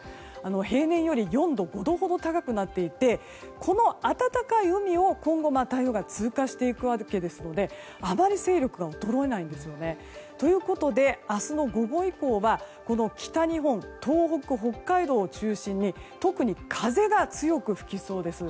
平年より４度、５度ほど高くなっていてこの暖かい海を今後、台風が通過していくわけですのであまり勢力が衰えないんですよね。ということで、明日の午後以降は北日本、東北、北海道を中心に特に風が強く吹きそうです。